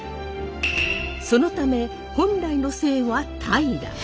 そのため本来の姓は平。